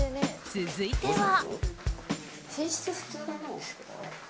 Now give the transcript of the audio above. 続いては。